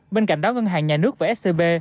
bên cạnh đó ngân hàng nhà nước và scb